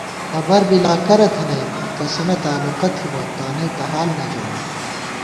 خبر بی لا کرہ تھنَئیت ، کسَنہ تالوقہ تھِبہ ، تانئ تہ حال نہ ژَمان